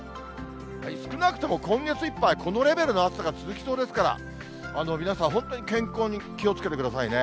少なくとも今月いっぱい、このレベルの暑さが続きそうですから、皆さん、本当に健康に気をつけてくださいね。